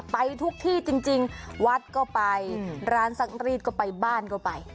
ไปทุกที่จริงจริงวัดก็ไปร้านสังฤทธิ์ก็ไปบ้านก็ไป